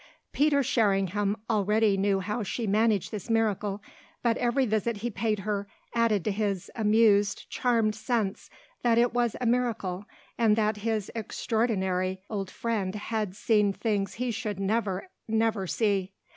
Peter Sherringham already knew how she managed this miracle, but every visit he paid her added to his amused, charmed sense that it was a miracle and that his extraordinary old friend had seen things he should never, never see.